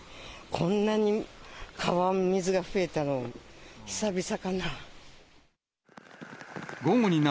こんなに川の水が増えたのは、久々かな。